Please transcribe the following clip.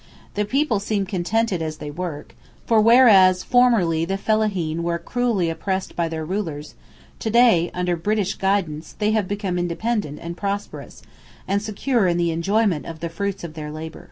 The people seem contented as they work, for whereas formerly the fellahīn were cruelly oppressed by their rulers, to day, under British guidance, they have become independent and prosperous, and secure in the enjoyment of the fruits of their labour.